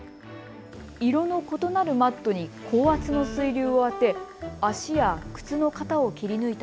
色の異なるマットに高圧の水流を当て足や靴の型を切り抜いた